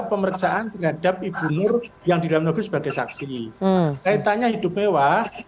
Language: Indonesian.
pemeriksaan terhadap ibu nur yang di dalam negeri sebagai saksi saya tanya hidupnya apa itu